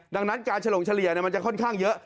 ดังนั้นการเฉลี่ยวมันจะค่อนข้างเยอะ